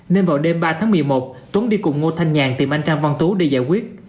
nên vào đêm ba tháng một mươi một tuấn đi cùng ngô thanh nhàn tìm anh tra văn tú để giải quyết